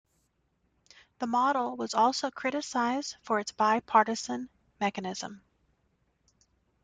The model was also criticised for its bi-partisan mechanism.